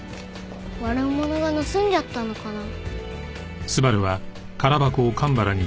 悪者が盗んじゃったのかな？